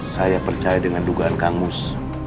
saya percaya dengan dugaan kang mus